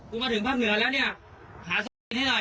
กูมาถึงภาคเหนือแล้วเนี่ย